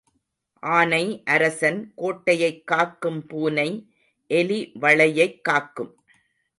ஆனை அரசன் கோட்டையைக் காக்கும் பூனை எலிவளையைக்காக்கும்.